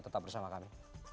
tetap bersama kami